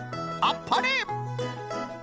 あっぱれ！